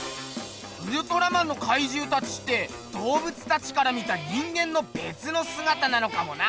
ウルトラマンのかいじゅうたちって動物たちから見た人間のべつのすがたなのかもな。